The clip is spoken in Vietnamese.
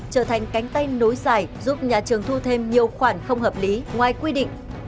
trở thành cánh tay nối dài giúp nhà trường thu thêm nhiều khoản không hợp lý ngoài quy định